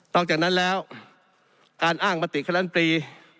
ต่อจากนั้นแล้วการอ้างประติฆรรณปรี